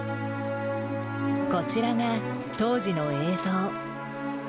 こちらが当時の映像。